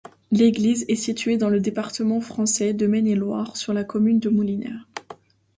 L'église est située dans le département français de Maine-et-Loire, sur la commune de Mouliherne.